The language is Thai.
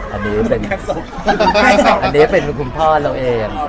อันนี้เป็นคุณพ่อเราเอง